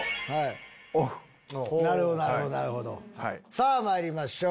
さぁまいりましょう。